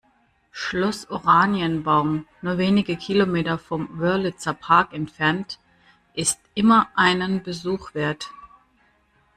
Schloss Oranienbaum, nur wenige Kilometer vom Wörlitzer Park entfernt, ist immer einen Besuch wert.